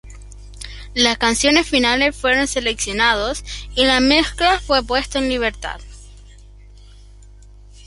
Las canciones finales fueron seleccionados y la mezcla fue puesto en libertad.